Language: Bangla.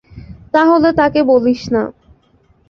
তাহলে তাকে বলিস না।